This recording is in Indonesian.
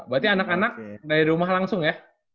berarti anak anak dari rumah langsung ya